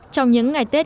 trong những ngày tết